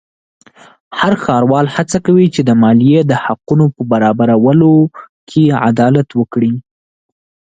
هر ښاروال هڅه کوي چې د مالیې د حقونو په برابرولو کې عدالت وکړي.